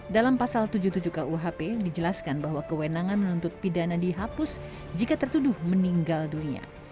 dalam pasal tujuh puluh tujuh kuhp dijelaskan bahwa kewenangan menuntut pidana dihapus jika tertuduh meninggal dunia